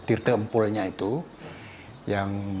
tirta empulnya itu yang